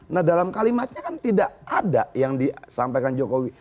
nah dalam kalimatnya kan tidak ada yang disampaikan jokowi